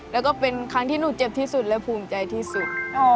แล้วก็เป็นครั้งที่หนูเจ็บที่สุดและภูมิใจที่สุด